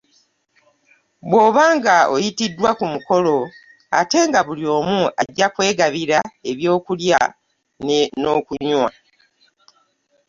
Bw’obanga oyitiddwa ku mukolo, ate nga buli omu ajja kwegabira eby’okulya n’okunywa.